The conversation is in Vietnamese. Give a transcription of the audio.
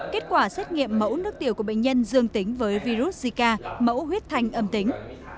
kết quả xét nghiệm mẫu nước tiểu của bệnh nhân dương tính với virus zika mẫu huyết thanh âm tính